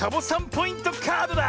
ポイントカードだ！